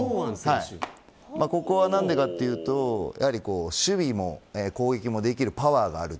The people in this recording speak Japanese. ここは、何でかって言うと守備も攻撃もできるパワーもある。